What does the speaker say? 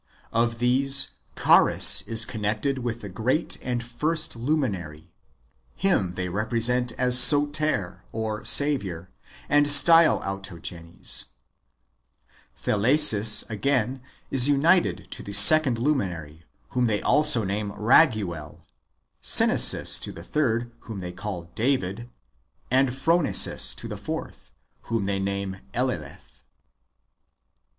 Of these, Charis is connected w^ith the great and first luminary : him they represent as Soter (Saviour), and style Armogenes.^ Thelesis, again, is united to the second luminary, whom they also name Raguel; Synesis to the third, whom they call David ; and Phronesis to the fourth, whom they name Eleleth.